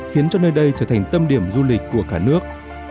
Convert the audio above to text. khiến cho nơi đây trở thành tâm điểm du lịch của cả nước